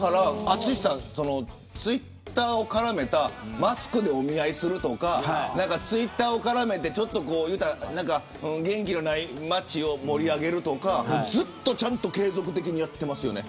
淳さんはツイッターを絡めたマスクでお見合いするとかツイッターを絡めて元気のない街を盛り上げるとかずっと、ちゃんと継続的にやっていますよね。